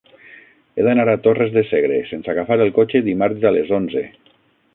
He d'anar a Torres de Segre sense agafar el cotxe dimarts a les onze.